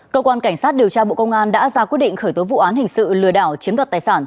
cơ quan cảnh sát điều tra bộ công an đã ra quyết định khởi tố vụ án hình sự lừa đảo chiếm đoạt tài sản